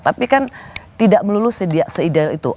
tapi kan tidak melulus seideal itu